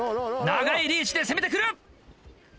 長いリーチで攻めて来る！